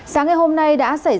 sáng ngày hôm nay đã xảy ra